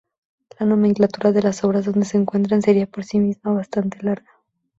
La nomenclatura de las obras donde se encuentran sería por sí misma bastante larga.